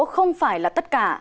không phải là tất cả